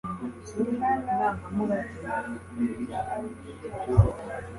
Ndi hano, Bwiza ibyo ari byo byose